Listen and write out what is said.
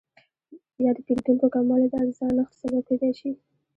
یا د پیرودونکو کموالی د ارزانښت سبب کیدای شي؟